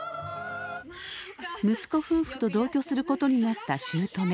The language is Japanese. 息子夫婦と同居することになったしゅうとめ。